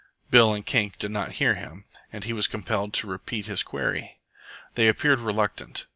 Bill and Kink did not hear him, and he was compelled to repeat his query. They appeared reluctant.